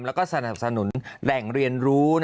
แล้วก็สนับสนุนแหล่งเรียนรู้